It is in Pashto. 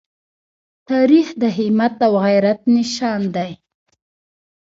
تاریخ د همت او غیرت نښان دی.